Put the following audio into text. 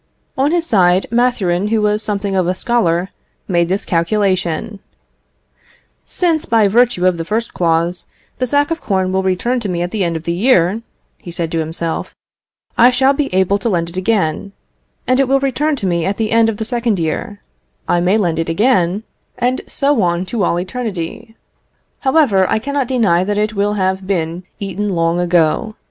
On his side, Mathurin, who was something of a scholar, made this calculation: "Since, by virtue of the first clause, the sack of corn will return to me at the end of a year," he said to himself, "I shall be able to lend it again; it will return to me at the end of the second year; I may lend it again, and so on, to all eternity. However, I cannot deny that it will have been eaten long ago.